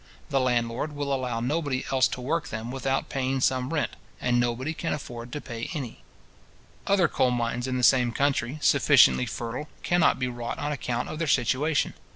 The landlord will allow nobody else to work them without paying some rent, and nobody can afford to pay any. Other coal mines in the same country, sufficiently fertile, cannot be wrought on account of their situation.